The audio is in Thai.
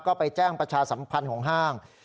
ก็ไปแจ้งประชาสัมพันธ์ของห้าง